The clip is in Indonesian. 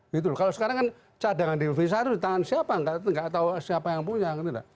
gitu loh kalau sekarang kan cadangan devisa itu di tangan siapa nggak tahu siapa yang punya